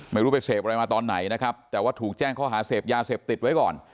ไปเสพอะไรมาตอนไหนนะครับแต่ว่าถูกแจ้งข้อหาเสพยาเสพติดไว้ก่อน